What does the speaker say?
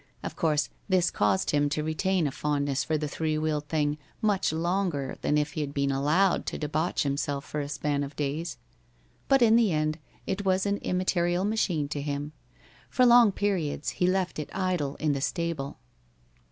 Of course this caused him to retain a fondness for the three wheeled thing much longer than if he had been allowed to debauch himself for a span of days. But in the end it was an immaterial machine to him. For long periods he left it idle in the stable.